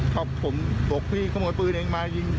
ครับผมบอกพี่ขโมยปืนเองมายิง